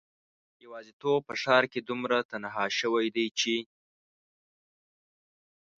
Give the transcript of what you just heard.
یوازیتوب په ښار کې دومره تنها شوی دی چې